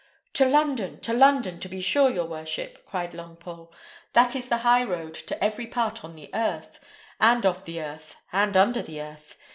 "To London! to London, to be sure, your worship," cried Longpole; "that is the high road to every part on the earth, and off the earth, and under the earth.